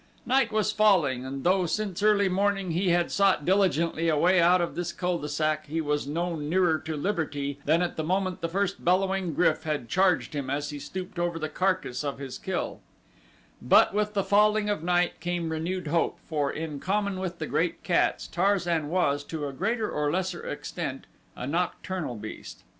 Night was falling and though since early morning he had sought diligently a way out of this cul de sac he was no nearer to liberty than at the moment the first bellowing GRYF had charged him as he stooped over the carcass of his kill: but with the falling of night came renewed hope for, in common with the great cats, Tarzan was, to a greater or lesser extent, a nocturnal beast.